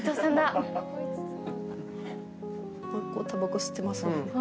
こう、たばこ吸ってますね。